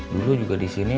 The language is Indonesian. dulu juga disini